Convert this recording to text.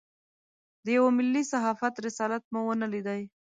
د یوه ملي صحافت رسالت مو ونه لېدای.